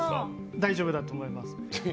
大丈夫だと思います。